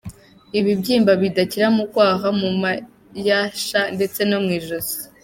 Ibibyimba bidakira mu kwaha, mu mayasha ndetse no mw’ijosi.